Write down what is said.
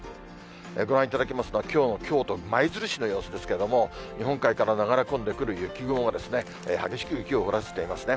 ご覧いただきますのは、きょうの京都・舞鶴市の様子ですけども、日本海から流れ込んでくる雪雲が激しく雪を降らせていますね。